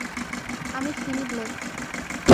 আমি Finney Blake.